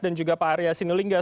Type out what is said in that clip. dan juga pak arya sinulingga